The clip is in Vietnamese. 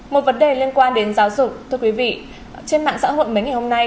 một vấn đề liên quan đến giáo dục thưa quý vị trên mạng xã hội mấy ngày hôm nay